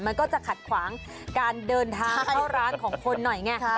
มันก็จะขัดขวางการเดินทางเข้าร้านของคนหน่อยไง